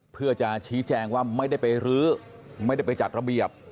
เพื่อจะชี้แจงว่าไม่ได้ไปรื้อไม่ได้ไปจัดระเบียบ